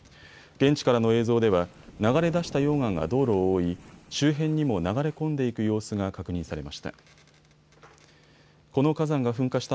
現地からの映像では流れ出した溶岩が道路を覆い、周辺にも流れ込んでいく様子が確認されました。